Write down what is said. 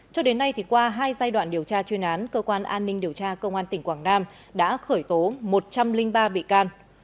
cho đến nay qua hai giai đoạn điều tra chuyên án cơ quan an ninh điều tra công an tỉnh quảng nam đã khởi tố một trăm linh ba bị can